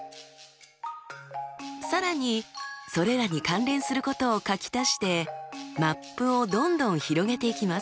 更にそれらに関連することを書き足してマップをどんどん広げていきます。